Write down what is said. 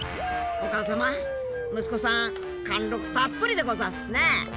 息子さん貫禄たっぷりでござぁすね。